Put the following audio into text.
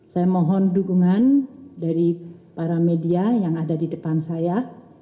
saya mohon dukungan dari para media yang ada di depan saya